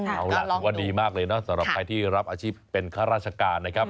เอาล่ะดีมากเลยสำหรับใครที่รับอาชีพเป็นราชการนะครับ